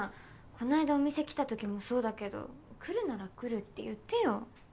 こないだお店来た時もそうだけど来るなら来るって言ってよ。